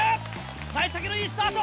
幸先のいいスタート！